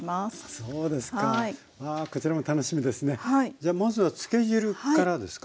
じゃあまずはつけ汁からですか？